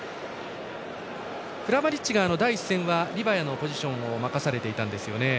クラマリッチが第１戦はリバヤのポジションを任されていたんですよね。